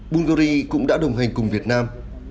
bulgari cũng đã đồng hành cùng việt nam